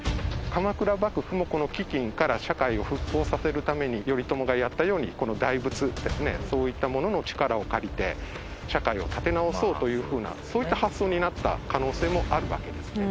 鎌倉幕府もこの飢饉から社会を復興させるために頼朝がやったようにこの大仏ですねそういったものの力を借りて社会を立て直そうというふうなそういった発想になった可能性もあるわけですね。